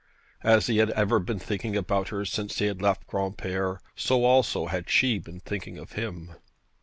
As he had ever been thinking about her since he had left Granpere, so also had she been thinking of him.